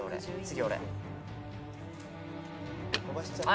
次俺。